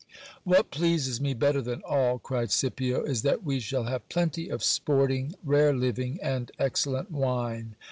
What pleases me better than all, cried Scipio, is that we shall have plenty of sporting, rare living, and excellent wine.